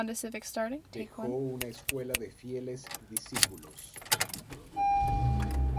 Dejó una escuela de fieles discípulos.